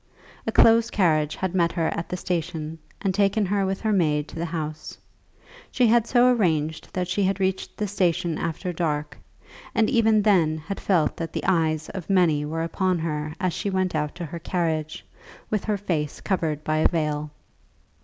A close carriage had met her at the station, and taken her with her maid to the house. She had so arranged that she had reached the station after dark, and even then had felt that the eyes of many were upon her as she went out to her carriage, with her face covered by a veil.